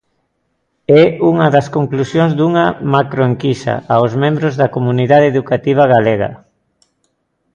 É unha das conclusións dunha macroenquisa aos membros da comunidade educativa galega.